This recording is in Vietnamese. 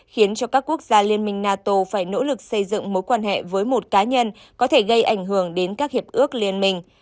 khiến cho các quốc gia liên minh nato phải nỗ lực xây dựng mối quan hệ với một cá nhân có thể gây ảnh hưởng đến các hiệp ước liên minh